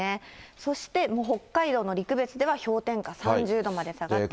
そしてもう北海道の陸別では氷点下３０度まで下がって。